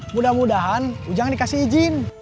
mudah mudahan jangan dikasih izin